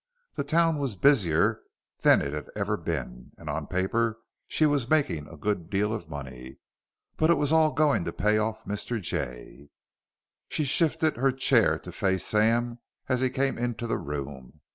The town was busier than it had ever been and on paper she was making a good deal of money; but it was all going to pay off Mr. Jay. She shifted her chair to face Sam as he came into the room.